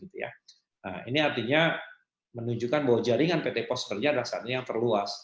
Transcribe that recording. nah ini artinya menunjukkan bahwa jaringan pt pos kerja adalah saat ini yang terluas